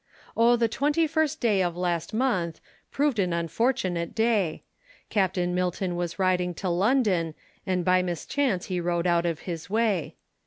Oh the Twenty first day of last month, Proved an unfortunate day; Captain Milton was riding to London, And by mischance he rode out of his way.